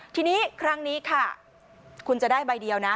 ทีนี้ครั้งนี้ค่ะคุณจะได้ใบเดียวนะ